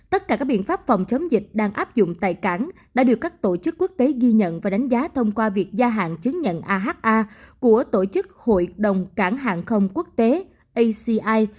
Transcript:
tất cả các biện pháp phòng chống dịch đang áp dụng tại cảng đã được các tổ chức quốc tế ghi nhận và đánh giá thông qua việc gia hạn chứng nhận aha của tổ chức hội đồng cảng hàng không quốc tế aci